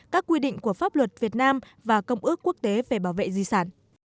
các quy định của pháp luật việt nam và công ước quốc tế về bảo vệ di sản